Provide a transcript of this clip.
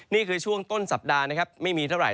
นี่คือช่วงต้นสัปดาห์นะครับไม่มีเท่าไห